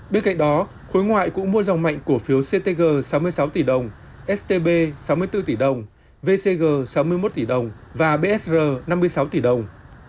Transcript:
bên cạnh đó khối ngoại cũng mua dòng mạnh cổ phiếu ctg sáu mươi sáu tỷ đồng stb sáu mươi bốn tỷ đồng vcg sáu mươi một tỷ đồng và bsr năm mươi sáu tỷ đồng